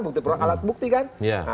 bukti peralat bukti kan